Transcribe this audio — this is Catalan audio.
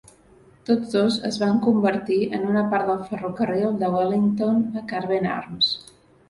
Tots dos es van convertir en una part del ferrocarril de Wellington a Craven Arms.